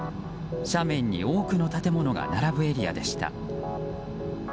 斜面に多くの建物が並ぶエリアでした。